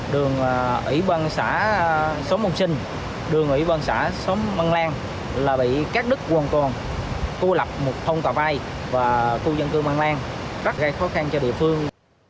đường ủy ban xã sống mông sinh đường ủy ban xã sống măng lan là bị các đức quần còn cô lập một thông tà vai và cô dân cư măng lan rất gây khó khăn cho địa phương